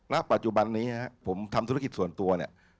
ณปัจจุบันนี้นะครับผมทำธุรกิจส่วนตัวเนี่ย